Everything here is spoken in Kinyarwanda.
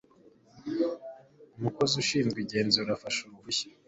umukozi ushinzwe igenzura afashe uruhushya